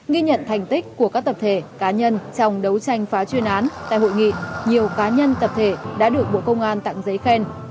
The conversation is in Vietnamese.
ghi nhận thành tích của các tập thể cá nhân trong đấu tranh phá chuyên án tại hội nghị nhiều cá nhân tập thể đã được bộ công an tặng giấy khen